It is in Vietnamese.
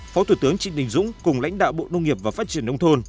phó thủ tướng trịnh đình dũng cùng lãnh đạo bộ nông nghiệp và phát triển nông thôn